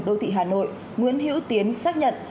đô thị hà nội nguyễn hữu tiến xác nhận